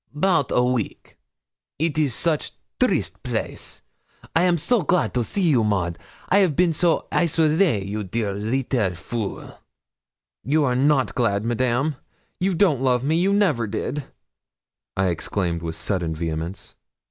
''Bout a week. It is soche triste place! I am so glad to see you, Maud! I've been so isolée, you dear leetle fool!' 'You are not glad, Madame; you don't love me you never did,' I exclaimed with sudden vehemence.